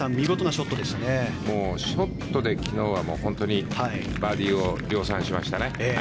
ショットで昨日はバーディーを量産しましたね。